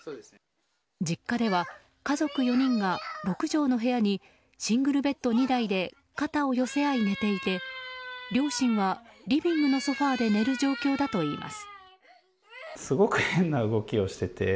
実家では家族４人が６畳の部屋にシングルベッド２台で肩を寄せ合い寝ていて両親はリビングのソファで寝る状況だといいます。